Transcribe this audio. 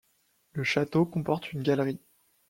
Le château comporte une galerie.